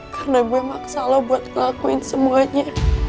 karena gue maksa lo buat ngelakuin semuanya